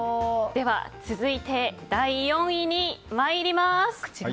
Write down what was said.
では続いて第４位に参ります。